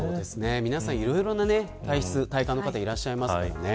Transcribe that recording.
皆さん、いろいろな体質や体感の方がいらっしゃいますからね。